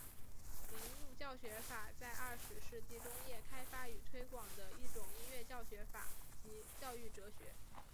铃木教学法在二十世纪中叶开发与推广的一种音乐教学法及教育哲学。